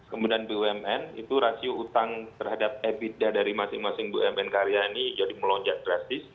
kemudian bumn itu rasio utang terhadap ebitda dari masing masing bumn karya ini jadi melonjak drastis